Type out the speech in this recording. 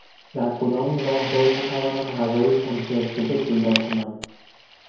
در کدام راهرو می توانم غذای کنسرو شده پیدا کنم؟